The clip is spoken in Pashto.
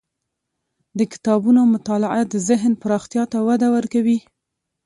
د کتابونو مطالعه د ذهن پراختیا ته وده ورکوي.